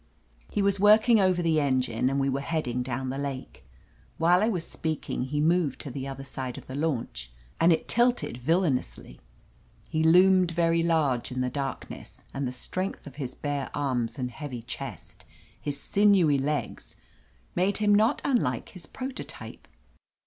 He was working over the engine, and we were headed down the lake. While I was speaking he moved to the other side of the launch, and it tilted villainously. He loomed very large in the darkness, and the strength of his bare arms and heavy chest, his sinewy legs, made him not unlike his prototype.